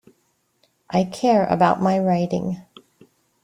I care about my writing.